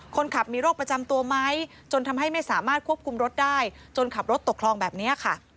คนขับมีโรคประจำตัวไหมจนทำให้ไม่สามารถควบคุมรถได้จนขับรถตกคลองแบบนี้ค่ะ